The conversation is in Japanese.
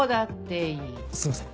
すいません。